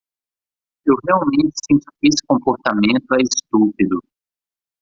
Eu realmente sinto que esse comportamento é estúpido.